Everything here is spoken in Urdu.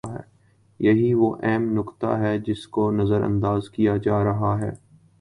یہی وہ اہم نکتہ ہے جس کو نظر انداز کیا جا رہا ہے۔